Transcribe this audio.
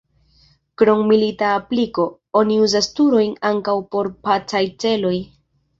Krom milita apliko, oni uzas turojn ankaŭ por pacaj celoj.